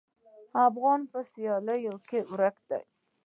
افغانان په سیالۍ کې ورک دي.